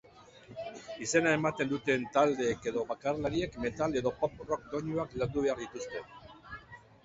Izena ematen duten taldeek edo bakarlariek metal edo pop-rock doinuak landu behar dituzte.